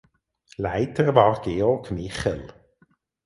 Leiter war Georg Michel.